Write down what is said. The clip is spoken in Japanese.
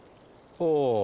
ほう。